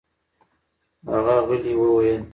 هغه غلې وویل: